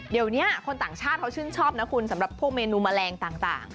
เดี๋ยวนี้คนต่างชาติเขาชื่นชอบนะคุณสำหรับพวกเมนูแมลงต่าง